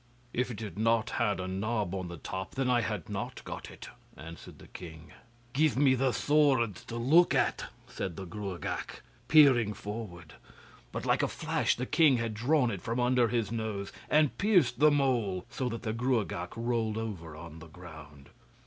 'If it had not had a knob on the top, then I had not got it,' answered the king. 'Give me the sword to look at,' said the Gruagach, peering forward; but like a flash the king had drawn it from under his nose and pierced the mole, so that the Gruagach rolled over on the ground.